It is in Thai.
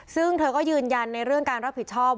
ซึ่งเธอก็ยืนยันในเรื่องการรับผิดชอบ